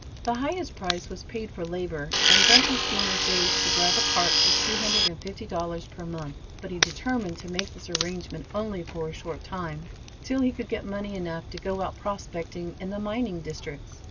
The highest price was paid for labor, and Dumpy soon engaged to drive a cart for two hundred and fifty dollars per month, but he determined to make this arrangement only for a short time, till he could get money enough to go out prospecting in the mining districts.